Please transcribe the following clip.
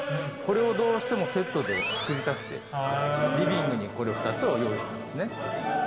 これをどうしてもセットで作りたくてリビングにこの２つを用意したんですね。